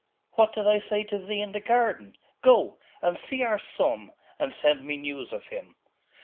'What did I say to thee in the garden? Go, and see our son, and send me news of him.